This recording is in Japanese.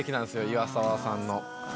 岩沢さんの。